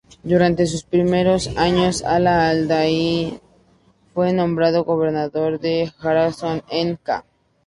Durante sus primeros años, Ala al-Din Ali fue nombrado gobernador de Jorasán en ca.